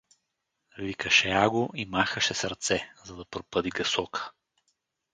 — викаше Аго и махаше с ръце, за да пропъди гъсока.